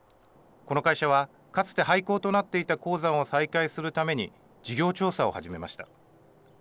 この会社はかつて廃坑となっていた鉱山を再開するために事業調査を始めました。